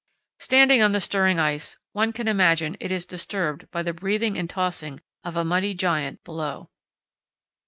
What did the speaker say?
Standing on the stirring ice one can imagine it is disturbed by the breathing and tossing of a mighty giant below."